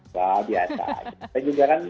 saya juga kan